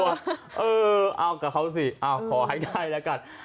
เอ้าเรากะเขาสิขอหายด้ายละกัน